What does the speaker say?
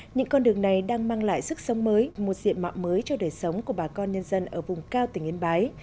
những con đường này đang mang lại sức sống mới một diện mạo mới cho đời sống của bà con nhân dân ở vùng cao tỉnh yên bái